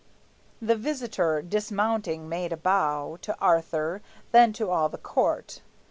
The visitor, dismounting, made a bow To Arthur, then to all the court.